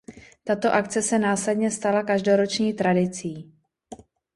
Tato akce se následně stala každoroční tradicí.